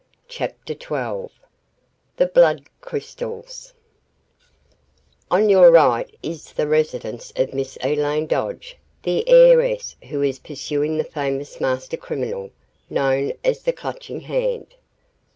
CHAPTER XII THE BLOOD CRYSTALS "On your right is the residence of Miss Elaine Dodge, the heiress, who is pursuing the famous master criminal known as the Clutching Hand."